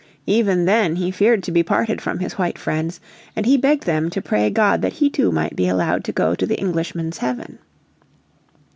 Even then he feared to be parted from his white friends, and he begged them to pray God that he too might be allowed to go to the Englishmen's heaven.